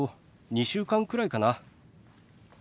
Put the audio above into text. ２週間くらいかな。